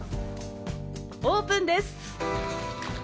オープンです。